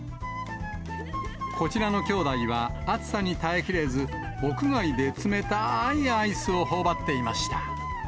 こちらの兄弟は、暑さに耐えきれず、屋外で冷たいアイスをほおばっていました。